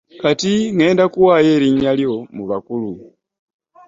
Kati ŋŋenda kuwaayo erinnya lyo mu bakulu.